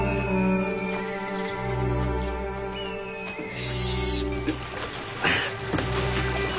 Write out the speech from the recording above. よし。